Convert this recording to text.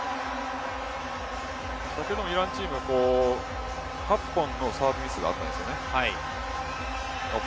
イランチームは８本のサーブミスがあったんですね。